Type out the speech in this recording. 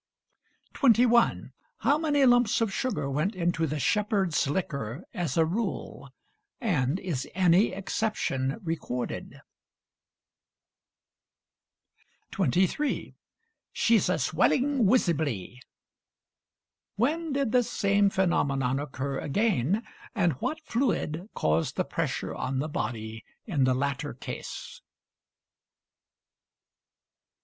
21. How many lumps of sugar went into the Shepherd's liquor as a rule? and is any exception recorded? 23. "She's a swelling wisibly." When did this same phenomenon occur again, and what fluid caused the pressure on the body in the latter case?